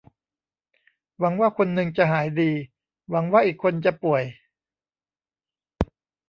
หวังว่าคนนึงจะหายดี หวังว่าอีกคนจะป่วย